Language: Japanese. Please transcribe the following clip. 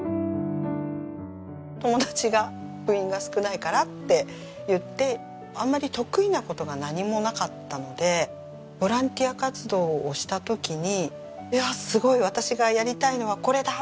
友達が「部員が少ないから」って言ってあんまり得意な事が何もなかったのでボランティア活動をした時に「いやすごい。私がやりたいのはこれだ！」